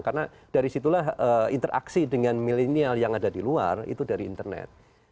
karena dari situlah interaksi dengan milenial yang ada di luar itu dari internet